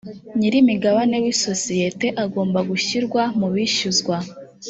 nyir’imigabane w’iyo sosiyete agomba gushyirwa mu bishyuzwa